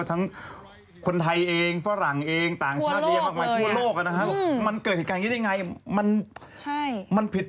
มันเกิดแบบนี้ได้ยังไง